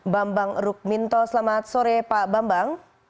bambang rukminto selamat sore pak bambang